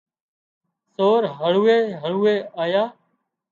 سور هۯوئي هۯوئي آيا